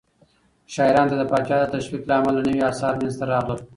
شاعرانو ته د پاچا د تشويق له امله نوي آثار منځته راغلل.